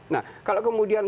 nah kalau kemudian